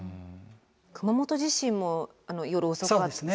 熊本地震も夜遅かったですね。